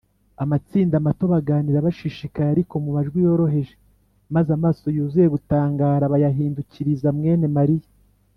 . Amatsinda mato baganira bashishikaye ariko mu majwi yoroheje, maze amaso yuzuye gutangara bayahindukiriza mwene Mariya